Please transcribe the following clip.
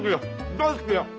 大好きや。